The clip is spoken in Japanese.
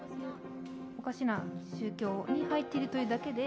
おかしな宗教に入っているというだけで。